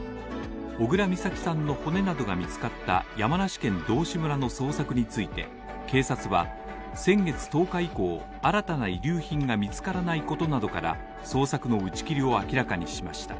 小倉美咲さんの骨などが見つかった山梨県道志村の捜索について警察は先月１０日以降、新たな遺留品が見つからないことなどから捜索の打ち切りを明らかにしました。